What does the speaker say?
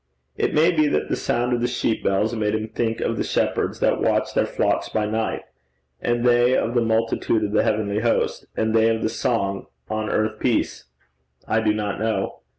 It may be that the sound of the sheep bells made him think of the shepherds that watched their flocks by night, and they of the multitude of the heavenly host, and they of the song 'On earth peace': I do not know.